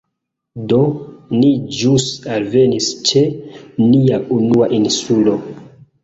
Do, ni ĵus alvenis ĉe nia unua insulo